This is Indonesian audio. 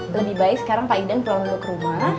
lebih baik sekarang pak idan pulang untuk rumah